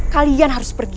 kalian harus pergi